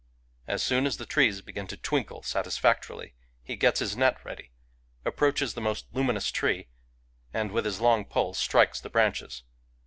As soon as the trees begin to twinkle satisfactorily, he gets his net ready, approaches the most luminous tree, and with his long pole strikes the branches.